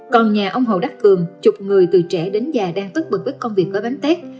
còn nhà ông hậu đắc cường chục người từ trẻ đến già đang tức bực với công việc với bánh tét